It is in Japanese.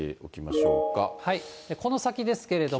この先ですけれども。